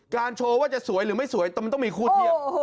โชว์ว่าจะสวยหรือไม่สวยแต่มันต้องมีคู่เทียบ